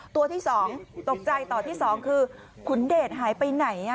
ตัวที่๒ตกใจต่อที่๒คือขุนเดชหายไปไหน